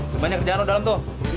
sebanyak kerjaan lo dalam tuh